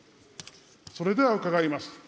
それでは伺います。